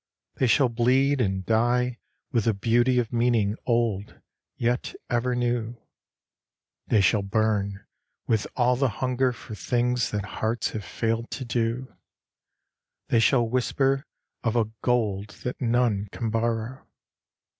They shall bleed and die with a beauty of meaning old yet ever new, They shall burn with all the hunger for things that hearts have failed to do, They shall whisper of a gold that none can borrow.